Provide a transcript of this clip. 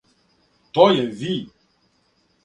То је ви?